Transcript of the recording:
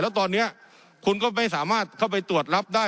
แล้วตอนนี้คุณก็ไม่สามารถเข้าไปตรวจรับได้